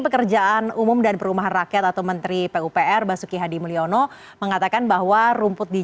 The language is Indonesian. pekerjaan umum dan perumahan rakyat atau menteri pupr basuki hadi mulyono mengatakan bahwa rumput di